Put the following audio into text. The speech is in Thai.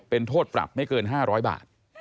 เป็นโทษปรับไม่เกิน๕๐๐บาท